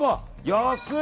安い！